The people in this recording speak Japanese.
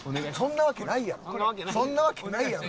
そんなわけないやろ。